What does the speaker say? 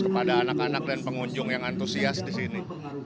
kepada anak anak dan pengunjung yang antusias di sini